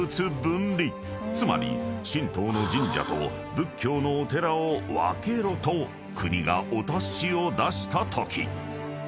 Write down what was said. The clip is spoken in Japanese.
［つまり神道の神社と仏教のお寺を分けろと国がお達しを出したとき］